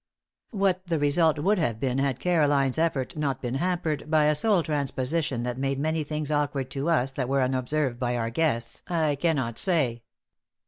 What the result would have been had Caroline's effort not been hampered by a soul transposition that made many things awkward to us that were unobserved by our guests, I cannot say.